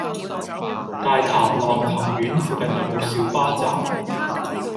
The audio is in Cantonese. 大潭浪琴園附近有無小巴站？